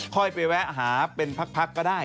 ค่อยไปแวะหาเป็นพักก็ได้